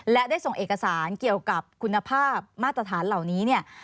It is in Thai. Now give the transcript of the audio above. และได้ส่งเอกสารเกี่ยวกับคุณภาพมาตรฐานเหล่านี้เนี่ย